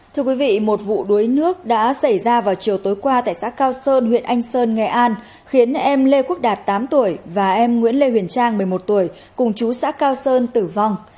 thưa quý vị một vụ đuối nước đã xảy ra vào chiều tối qua tại xã cao sơn huyện anh sơn nghệ an khiến em lê quốc đạt tám tuổi và em nguyễn lê huyền trang một mươi một tuổi cùng chú xã cao sơn tử vong